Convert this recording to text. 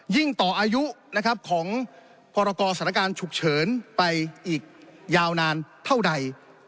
ยิ่งต่ออายุนะครับของพสกฉุกเฉินไปอีกยาวนานเท่าใด